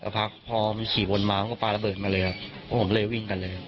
แต่พอขี่บนม้าผมก็ปลาระเบิดมาเลยครับผมเลยวิ่งกันเลย